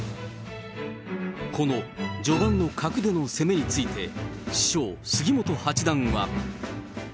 この序盤の角での攻めについて、師匠、杉本八段は。